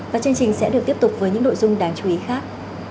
và chương trình sẽ được tiếp tục với những nội dung đáng chú ý khác